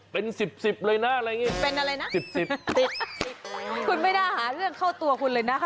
เป็นสิบสิบเลยนะอะไรอย่างนี้เป็นอะไรนะสิบสิบคุณไม่น่าหาเรื่องเข้าตัวคุณเลยนะคะ